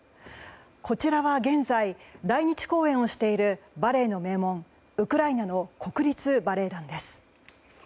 こちらは現在来日公演をしているバレエの名門ウクライナの国立バレエ団です。